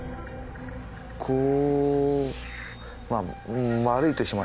こう。